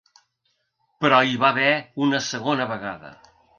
Però hi va haver una segona vegada.